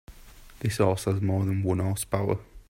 This horse has more than one horse power.